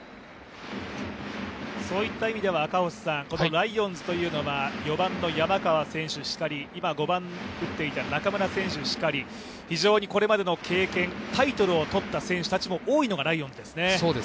ライオンズというのは、４番の山川選手しかり、今、５番を打っていた中村選手しかり、非常にこれまでの経験、タイトルを取った選手たちも多いのがライオンズですね。